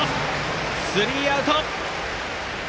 スリーアウト！